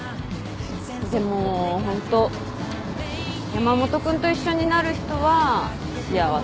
でもホント山本君と一緒になる人は幸せだろうな。